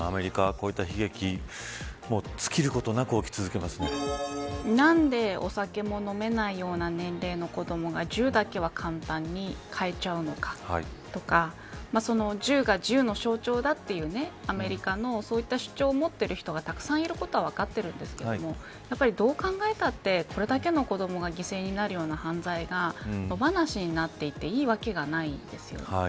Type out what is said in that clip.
この銃社会のアメリカこういった悲劇何でお酒も飲めないような年齢の子どもが銃だけは簡単に買えちゃうのかとか銃が銃の象徴だというアメリカのそういう主張を持ってる人がたくさんいるのは分かってるんですがやっぱり、どう考えたってこれだけの子どもが犠牲になるような犯罪が野放しになっていていいわけがないですよね。